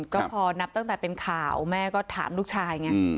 ก็พอนับตั้งแต่เป็นข่าวแม่ก็ถามลูกชายไง